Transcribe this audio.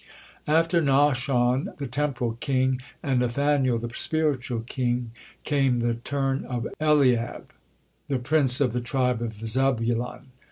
After Nahshon, the temporal king, and Nethanel the spiritual king, came the turn of Eliab, the prince of the tribe of Zebulun.